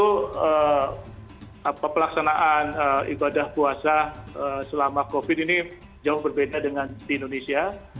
tapi pelaksanaan ibadah puasa selama covid sembilan belas ini jauh berbeda dengan di indonesia